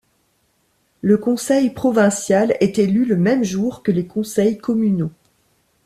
Le conseil provincial est élu le même jour que les conseils communaux.